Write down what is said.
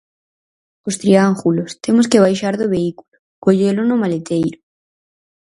Os triángulos, temos que baixar do vehículo, collelo no maleteiro.